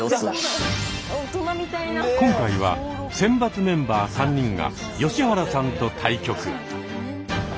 今回は選抜メンバー３人が吉原さんと対局。